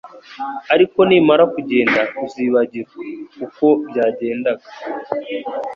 Ariko nimara kugenda uzibagirwa, uko byagendaga